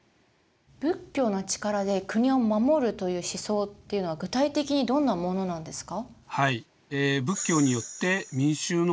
仏教の力で国を護るという思想っていうのは具体的にどんなものなんですか？